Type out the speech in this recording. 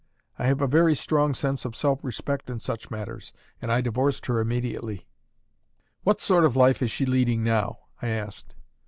"I have a very strong sense of self respect in such matters, and I divorced her immediately." "What sort of life is she leading now?" I asked.